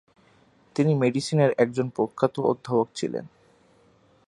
তিনি মেডিসিনের একজন প্রখ্যাত অধ্যাপক ছিলেন।